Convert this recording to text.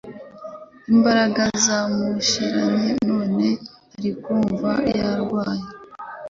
imbaraga zamushiranye none arikumva yarwaye